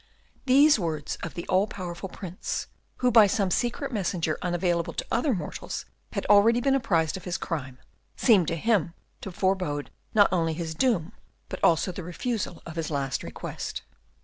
These words of the all powerful Prince, who by some secret messenger unavailable to other mortals had already been apprised of his crime, seemed to him to forebode not only his doom, but also the refusal of his last request.